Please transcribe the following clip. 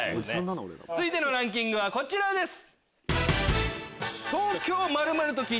続いてのランキングはこちらです。